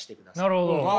なるほど。